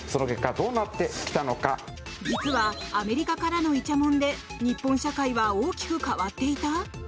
実はアメリカからのイチャモンで日本社会は大きく変わっていた？